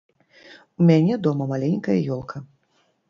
У мяне дома маленькая ёлка.